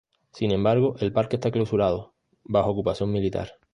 Sin embargo, el parque esta clausurado, bajo ocupación militar.